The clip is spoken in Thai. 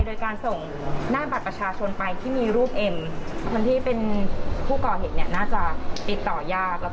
โดยการส่งหน้าบัตรประชาชนไปที่มีรูปเอ็มคนที่เป็นผู้ก่อเหตุเนี่ยน่าจะติดต่อยาก